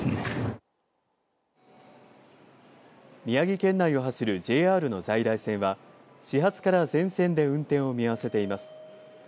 宮城県内を走るＪＲの在来線は始発から全線で運転を見合わせています。